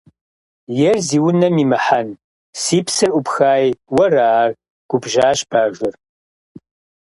– Ер зи унэм имыхьэн, си псэр Ӏупхаи, уэра ар? – губжьащ Бажэр.